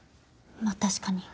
まあ確かに。